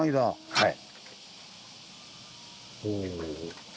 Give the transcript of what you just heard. はい。